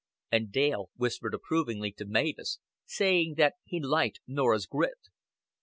And Dale whispered approvingly to Mavis, saying that he liked Norah's grit.